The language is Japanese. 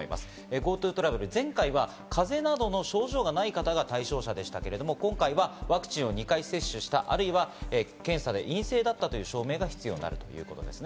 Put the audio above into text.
ＧｏＴｏトラベル、前回は風邪などの症状がない方が対象者でしたけど、今回はワクチンを２回接種した、あるいは検査で陰性だったという証明が必要になるということですね。